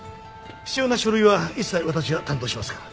必要な書類は一切私が担当しますから。